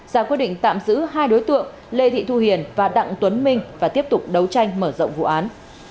ra quyết định tạm giữ hai đối tượng lê thị thu hiền và đặng tuấn minh và tiếp tục đấu tranh mở rộng vụ án